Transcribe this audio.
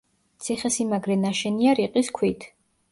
ციხესიმაგრე ნაშენია რიყის ქვით.